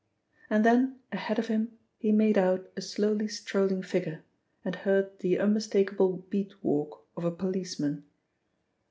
And then ahead of him he made out a slowly strolling figure, and heard the unmistakable "beat walk" of a policeman.